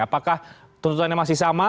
apakah tuntutannya masih sama